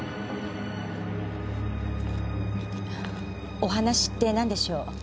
お話って何でしょう？